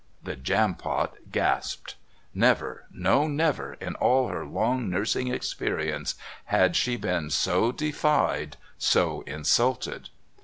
The Jampot gasped. Never, no, never in all her long nursing experience had she been so defied, so insulted.